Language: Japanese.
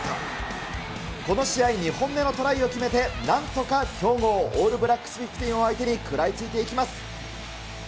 この試合２本目のトライを決めて、なんとか強豪、オールブラックス・フィフティーンを相手に食らいついていきます。